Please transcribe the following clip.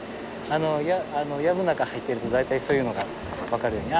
あのやぶの中に入っていると大体そういうのがわかるように。